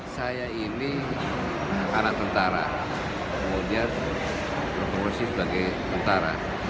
saya ini anak anak tentara kemudian berpromosi sebagai tentara